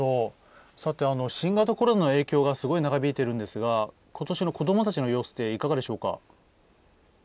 新型コロナの影響がすごい長引いているんですがことしの子どもたちの様子っていかがでしょうか。